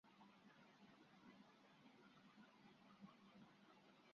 irini na tano kumi na tano na ishirini na tano ishirini